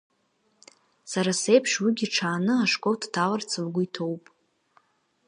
Сара сеиԥш уигьы ҽааны ашкол дҭаларц лгәы иҭоуп…